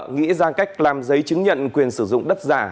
nghĩ ra cách làm giấy chứng nhận quyền sử dụng đất giả